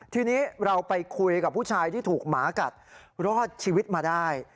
ทีนี้เราไปคุยกับผู้ชายที่ถูกหมากัดรอดชีวิตมาได้